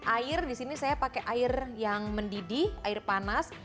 air disini saya pakai air yang mendidih air panas